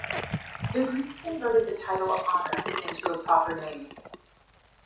The Greeks converted the title of honor into a proper name.